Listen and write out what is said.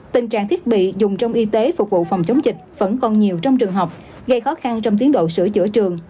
tình trạng thiết bị dùng trong y tế phục vụ phòng chống dịch vẫn còn nhiều trong trường học gây khó khăn trong tiến độ sửa chữa trường